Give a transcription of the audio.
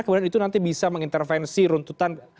kemudian itu nanti bisa mengintervensi runtutan